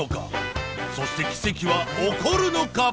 そして奇跡は起こるのか？